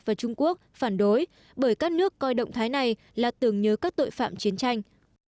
và trung quốc phản đối bởi các nước coi động thái này là tưởng nhớ các tội phạm chiến tranh